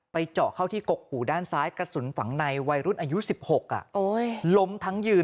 เจาะเข้าที่กกหูด้านซ้ายกระสุนฝังในวัยรุ่นอายุ๑๖ล้มทั้งยืน